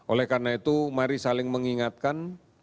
oleh karena itu mari saling mengingatkan